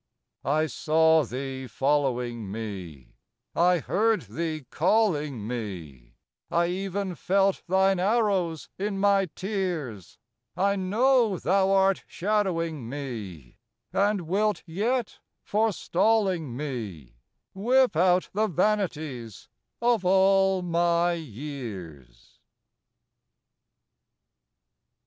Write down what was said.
I saw Thee following me, I heard Thee calling me, I even felt Thine arrows in my tears; I know Thou art shadowing me, And wilt yet, forestalling me, Whip out the vanities of all my years.